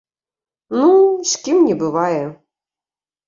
Ну, з кім не бывае.